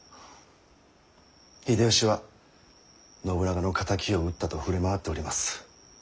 秀吉は信長の敵を討ったと触れ回っております。